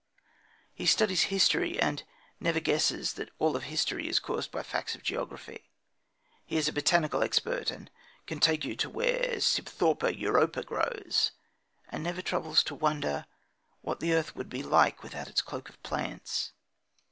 He studies history, and never guesses that all history is caused by the facts of geography. He is a botanical expert, and can take you to where the Sibthorpia europæa grows, and never troubles to wonder what the earth would be without its cloak of plants.